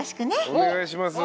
お願いします。